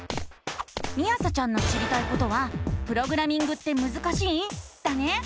みあさちゃんの知りたいことは「プログラミングってむずかしい⁉」だね！